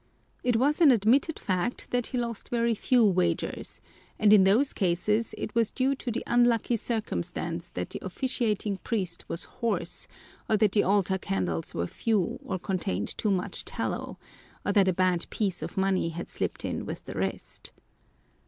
It was an admitted fact that he lost very few wagers, and in those cases it was due to the unlucky circumstance that the officiating priest was hoarse, or that the altar candles were few or contained too much tallow, or that a bad piece of money had slipped in with the rest.